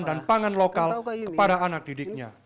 tentang keberagaman bahan dan pangan lokal kepada anak didiknya